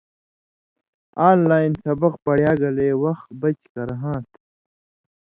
آن لائن سبق پڑیا گلے وخ بچ کرہاں تھہ۔